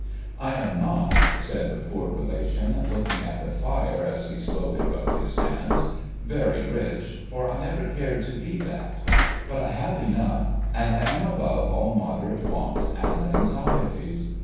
I am not (said the poor relation, looking at the fire as he slowly rubbed his hands) very rich, for I never cared to be that; but I have enough, and am above all moderate wants and anxieties.